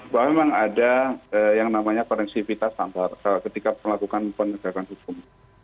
bahwa memang ada yang namanya koneksivitas ketika melakukan penegakan hukum